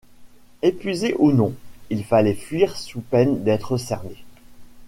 Épuisé ou non, il fallait fuir sous peine d’être cerné.